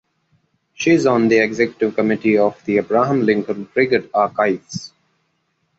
She is on the Executive Committee of the The Abraham Lincoln Brigade Archives.